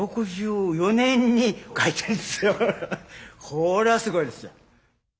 これはすごいですよ。